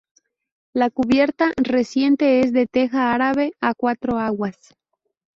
La cubierta, reciente, es de teja árabe a cuatro aguas.